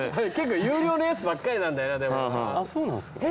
有料のやつばっかりなんだよなでもな。